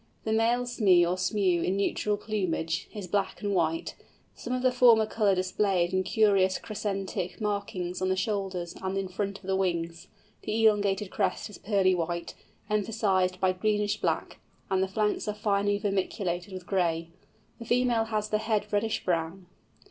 The male Smee or Smew, in nuptial plumage, is black and white—some of the former colour displayed in curious crescentic markings on the shoulders and in front of the wings, the elongated crest is pearly white, emphasised by greenish black, and the flanks are finely vermiculated with gray. The female has the head reddish brown.